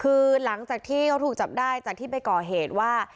คือหลังจากที่เขาถูกจับได้จากที่ไปก่อเหตุว่า